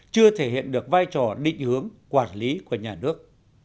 chưa thể hiện được vai trò định hướng quản lý của nhà nước